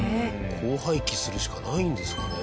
こう廃棄するしかないんですかね。